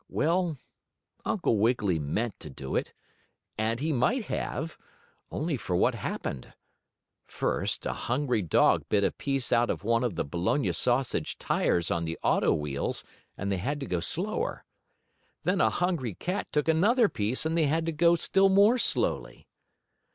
Well, Uncle Wiggily meant to do it, and he might have, only for what happened. First a hungry dog bit a piece out of one of the bologna sausage tires on the auto wheels, and they had to go slower. Then a hungry cat took another piece and they had to go still more slowly.